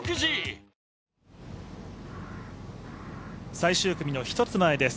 最終組の１つ前です